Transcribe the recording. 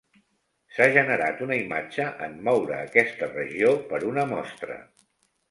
S'ha generat una imatge en moure aquesta regió per una mostra.